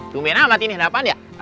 gumen amat ini ada apaan ya